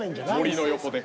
森の横で。